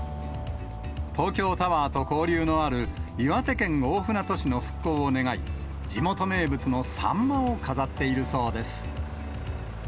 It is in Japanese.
東京タワーと交流のある岩手県大船渡市の復興を願い、地元名物のサンマを飾っているそうです。